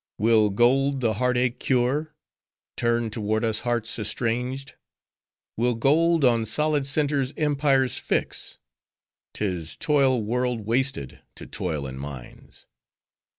Will gold the heart ache cure? turn toward us hearts estranged? will gold, on solid centers empires fix? 'Tis toil world wasted to toil in mines.